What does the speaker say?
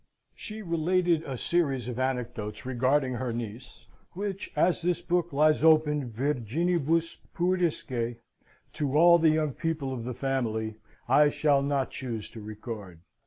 She related a series of anecdotes regarding her niece, which, as this book lies open virginibus puerisque, to all the young people of the family, I shall not choose to record.